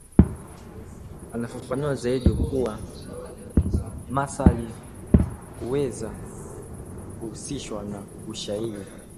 anafafanua zaidi kuwa mandhari huweza kuhusishwa na ushairi